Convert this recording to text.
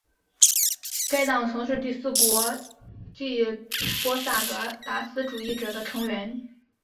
该党曾是第四国际波萨达斯主义者的成员。